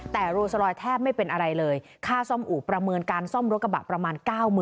แต่โรสลอยแทบไม่เป็นอะไรเลยค่าซ่อมอู่ประเมินการซ่อมรถกระบะประมาณ๙๐๐